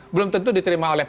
belum tentu diterima oleh